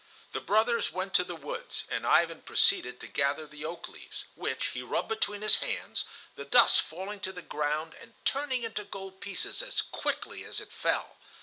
The brothers went to the woods and Ivan proceeded to gather the oak leaves, which he rubbed between his hands, the dust falling to the ground and turning into gold pieces as quickly as it fell.